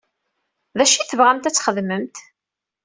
D acu i tebɣamt ad t-xedmemt?